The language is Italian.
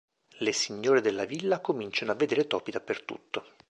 Le signore della villa cominciano a vedere topi dappertutto.